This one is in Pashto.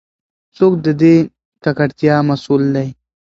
څوک د دې ککړتیا مسؤل دی؟